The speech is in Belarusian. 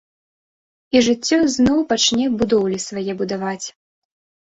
І жыццё зноў пачне будоўлі свае будаваць.